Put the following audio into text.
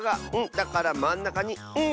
だからまんなかに「ん」。